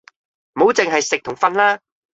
唔好剩係食同瞓啦！